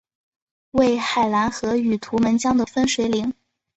为海兰河与图们江的分水岭。